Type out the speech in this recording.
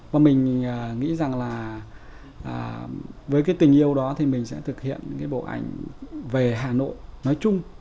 và mình nghĩ rằng là với cái tình yêu đó thì mình sẽ thực hiện cái bộ ảnh về hà nội nói chung